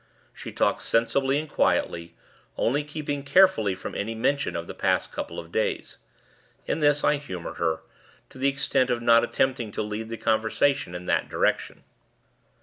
She talked sensibly and quietly; only keeping carefully from any mention of the past couple of days. In this, I humored her, to the extent of not attempting to lead the conversation in that direction.